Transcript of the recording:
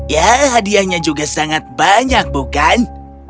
ya hadiahnya juga sangat banyak bukan